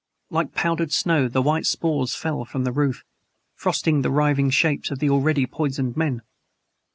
Like powdered snow the white spores fell from the roof, frosting the writhing shapes of the already poisoned men.